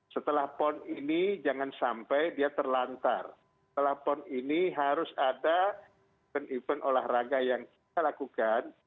setelah pon ini jangan sampai dia terlantar setelah pon ini harus ada event event olahraga yang kita lakukan